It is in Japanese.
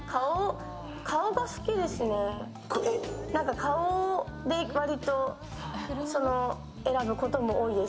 顔で割と選ぶことも多いです。